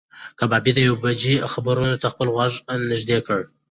کبابي د یوې بجې خبرونو ته خپل غوږ نږدې کړ.